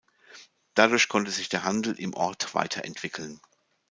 Dadurch konnte sich der Handel im Ort weiter entwickeln.